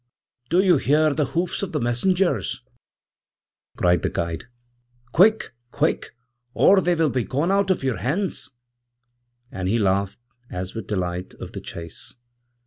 'Doyou hear the hoofs of the messengers?' cried the guide. 'Quick, quick! or they will be gone out of your hands!' and he laughed aswith delight of the chase.